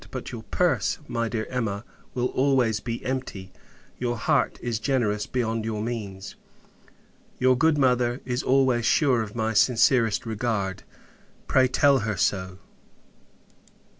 But your purse, my dear Emma, will always be empty; your heart is generous beyond your means. Your good mother is always sure of my sincerest regard; pray, tell her so.